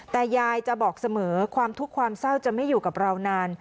แต่ยายจะบอกเสมอความทุกข์ความเศร้าจะไม่อยู่กับเรานาน